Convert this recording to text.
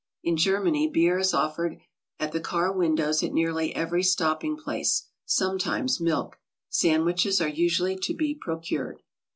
In Germany beer is offered at the car windows at nearly every stopping place, — sometimes milk. Sandwiches are usually to be procured.